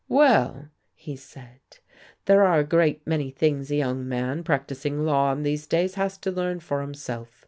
"Well," he said, "there are a great many things a young man practising law in these days has to learn for himself.